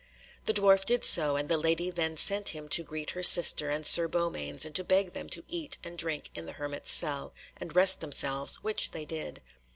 The dwarf did so, and the lady then sent him to greet her sister and Sir Beaumains, and to beg them to eat and drink in the hermit's cell, and rest themselves, which they did.